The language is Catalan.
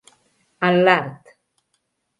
En l'art.